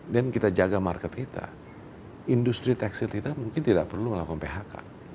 dan kita jaga market kita industri tekstil kita mungkin tidak perlu melakukan phk